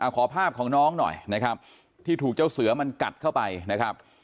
ขอภาพของน้องหน่อยนะครับที่ถูกเจ้าเสือมันกัดเข้าไปนะครับ